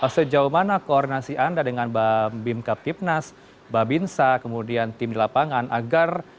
sejauh mana koordinasi anda dengan mbak bimka ptipnas mbak binsa kemudian tim di lapangan agar